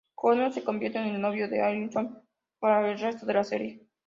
Connor se convierte en el novio de Alyson para el resto de la serie.